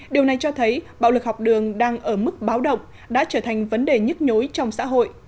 điều này cho thấy bạo lực học đường đang ở mức báo động đã trở thành vấn đề nhức nhối trong xã hội